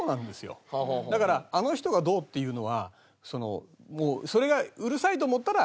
だからあの人がどうっていうのはそれがうるさいと思ったら。